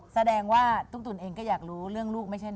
แสดงว่าตุ๊กตุ๋นเองก็อยากรู้เรื่องลูกไม่ใช่เหรอ